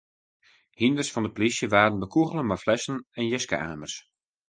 Hynders fan de polysje waarden bekûgele mei flessen en jiske-amers.